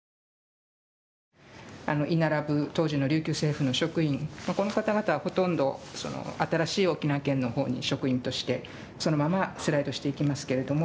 居並ぶ当時の琉球政府の職員この方々はほとんど新しい沖縄県のほうに職員としてそのままスライドしていきますけれども。